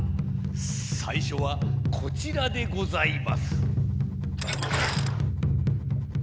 さいしょはこちらでございます。